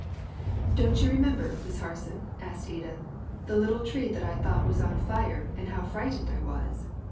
"Don't you remember, Miss Harson," said Edith, "the little tree that I thought was on fire and how frightened I was?"